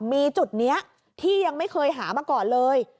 มีจุดนี้ที่ยังไม่เคยหามาก่อนเลย